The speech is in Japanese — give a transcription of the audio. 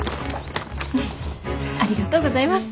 ありがとうございます。